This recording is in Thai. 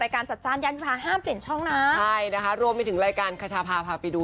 แกงเผ็ดค่ะ